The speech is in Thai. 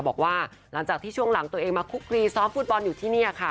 บอกว่าหลังจากที่ช่วงหลังตัวเองมาคุกคลีซ้อมฟุตบอลอยู่ที่นี่ค่ะ